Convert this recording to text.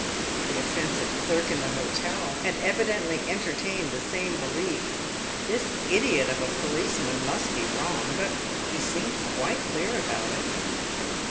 The offensive clerk in the hotel had evidently entertained the same belief. This idiot of a policeman must be wrong. But he seemed quite clear about it.